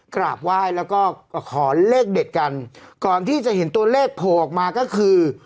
กราบไหว้แล้วก็ขอเลขเด็ดกันก่อนที่จะเห็นตัวเลขโผล่ออกมาก็คือ